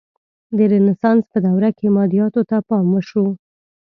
د رنسانس په دوره کې مادیاتو ته پام وشو.